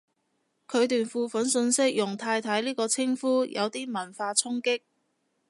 佢段付款訊息用太太呢個稱呼，有啲文化衝擊